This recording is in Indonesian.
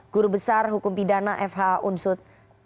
guru besar hukum pidana fh unsud